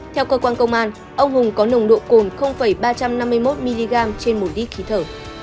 theo cơ quan công an ông hùng có nồng độ cồn ba trăm năm mươi một mg trên một lít khí thở